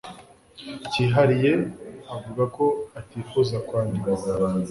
cyihariye avuga ko atifuza kwandikwa